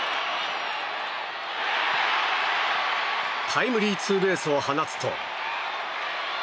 タイムリーツーベースを放つと。